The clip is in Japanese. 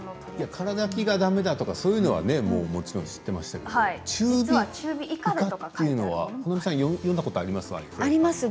空だきは、だめだとかそういうのはもちろん知ってましたけど中火以下というのは読んだことありましたか？